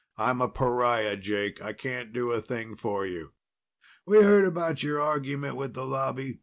"I'm a pariah, Jake. I can't do a thing for you." "We heard about your argument with the Lobby.